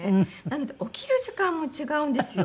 なので起きる時間も違うんですよ。